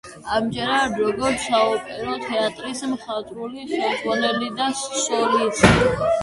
ამჯერად როგორც საოპერო თეატრის მხატვრული ხელმძღვანელი და სოლისტი.